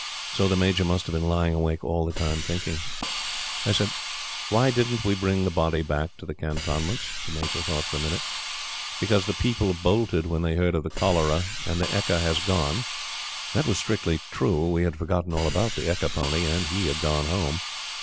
So the Major must have been lying awake all the time, thinking. I said: "Then why didn't we bring the body back to the cantonments?" The Major thought for a minute: "Because the people bolted when they heard of the cholera. And the ekka has gone!" That was strictly true. We had forgotten all about the ekka pony, and he had gone home.